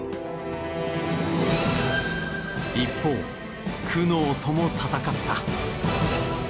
一方苦悩とも闘った。